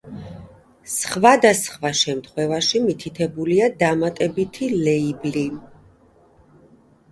სხვადასხვა შემთხვევაში მითითებულია დამატებითი ლეიბლი.